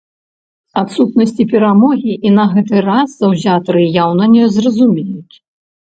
Адсутнасці перамогі і на гэты раз заўзятары яўна не зразумеюць.